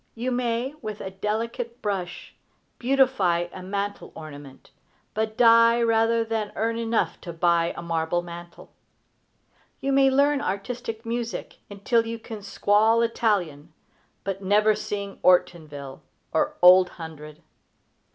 You may, with delicate brush, beautify a mantel ornament, but die rather than earn enough to buy a marble mantel. You may learn artistic music until you can squall Italian, but never sing "Ortonville" or "Old Hundred."